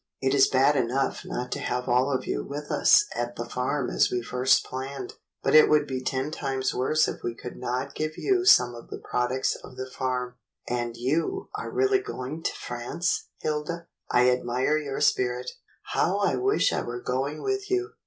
It is bad enough not to have all of you with us at the farm as we first planned, but it would be ten times worse if we could not give you some of the products of the farm. And you are really going to France, Hilda. ^ I admire your spirit. How I wish I were going with you!"